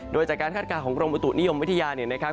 โดยจากการคาดการณ์ของกรมบุตุนิยมวิทยาเนี่ยนะครับ